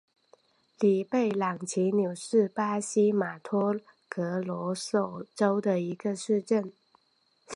里贝朗齐纽是巴西马托格罗索州的一个市镇。